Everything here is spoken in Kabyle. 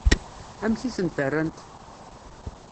Amek i tent-rrant?